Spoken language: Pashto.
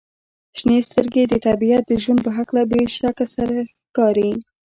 • شنې سترګې د طبیعت د ژوند په هکله بې شک سره ښکاري.